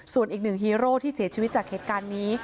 ส่วนอีกหนึ่งฮีโร่ที่เสียชีวิตจากเหตุการณ์นี้